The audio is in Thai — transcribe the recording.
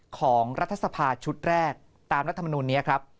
ของรัฐสภาชุดแรกตามรัฐมนุนนี้ครับ